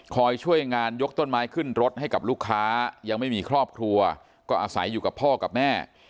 ช่วยงานยกต้นไม้ขึ้นรถให้กับลูกค้ายังไม่มีครอบครัวก็อาศัยอยู่กับพ่อกับแม่